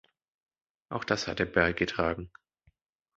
Auch das hat er beigetragen.